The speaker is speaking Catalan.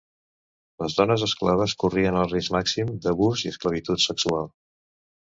Les dones esclaves corrien el risc màxim d'abús i esclavitud sexual.